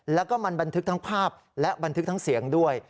แล้วก็มันบันทึกทั้งภาพและบันทึกทั้งเสียงด้วย